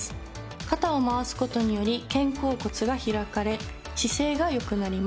肩を回すことにより肩甲骨が開かれ姿勢がよくなります。